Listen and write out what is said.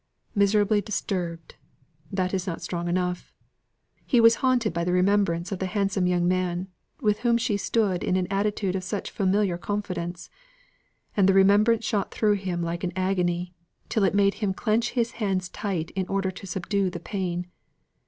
"Miserably disturbed!" that is not strong enough. He was haunted by the remembrance of the handsome young man, with whom she stood in an attitude of such familiar confidence; and the remembrance shot through him like an agony, till it made him clench his hands tight in order to subdue the pain.